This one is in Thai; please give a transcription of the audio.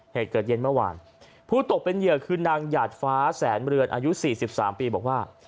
เหตุเกิดเย็นเมื่อวานผู้ตกเป็นเหยื่อคือนางหยาดฟ้าแสนเรือนอายุ๔๓ปีบอกว่า